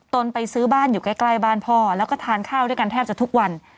ไปซื้อบ้านอยู่ใกล้บ้านพ่อแล้วก็ทานข้าวด้วยกันแทบจะทุกวัน